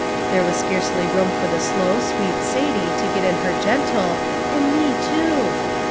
There was scarcely room for the slow sweet Satie to get in her gentle, " and me too."